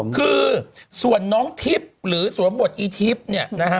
คือส่วนนางทิพย์หรือสวบบทอีทิพย์